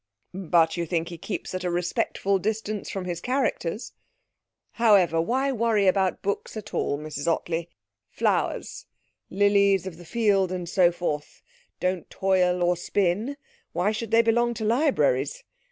'But you think he keeps at a respectful distance from his characters? However why worry about books at all, Mrs Ottley? Flowers, lilies of the field, and so forth, don't toil or spin; why should they belong to libraries?